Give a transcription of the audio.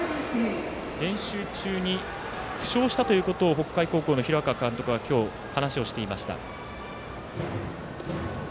練習中に負傷したということを北海高校の平川監督は今日、話をしていました。